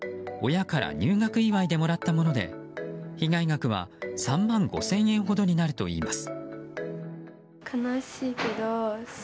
親から入学祝いでもらったもので被害額は３万５０００円ほどになるといいます。